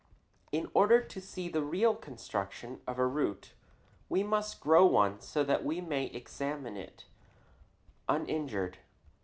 In order to see the real construction of a root we must grow one so that we may examine it uninjured.